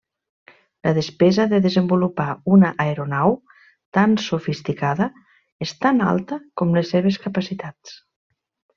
La despesa de desenvolupar una aeronau tan sofisticada és tan alta com les seves capacitats.